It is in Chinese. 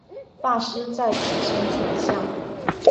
发丝在指间垂下